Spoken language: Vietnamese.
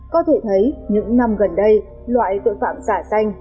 có thể thấy những năm gần đây loại tội phạm giả danh